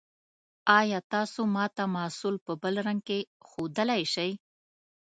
ایا تاسو ما ته محصول په بل رنګ کې ښودلی شئ؟